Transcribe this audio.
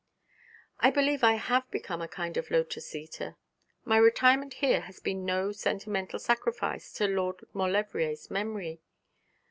'I believe I have become a kind of lotus eater. My retirement here has been no sentimental sacrifice to Lord Maulevrier's memory.'